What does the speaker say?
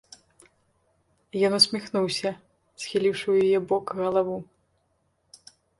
Ён усміхнуўся, схіліўшы ў яе бок галаву.